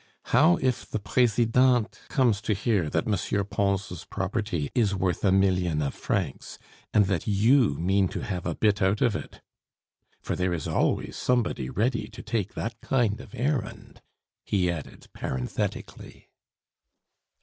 How if the Presidente comes to hear that M. Pons' property is worth a million of francs, and that you mean to have a bit out of it? for there is always somebody ready to take that kind of errand " he added parenthetically.